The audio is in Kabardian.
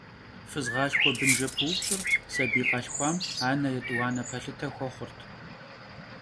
Фызгъалъхуэ–бынжэпыупщӏыр сабий къалъхуам анэ етӏуанэ пэлъытэ хуэхъурт.